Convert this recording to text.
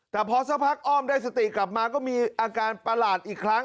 แต่พอสักพักอ้อมได้สติกลับมาก็มีอาการประหลาดอีกครั้ง